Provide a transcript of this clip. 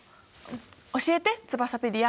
教えてツバサペディア。